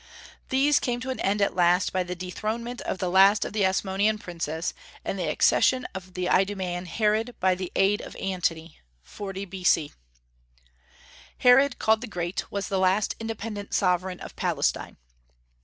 These came to an end at last by the dethronement of the last of the Asmonean princes, and the accession of the Idumaean Herod by the aid of Antony (40 B.C.). Herod, called the Great, was the last independent sovereign of Palestine.